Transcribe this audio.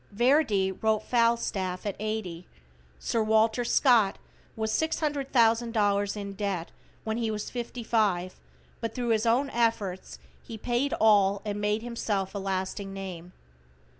Verdi wrote "Falstaff" at eighty. Sir Walter Scott was $600,000 in debt when he was fifty five, but thru his own efforts he paid all and made himself a lasting name.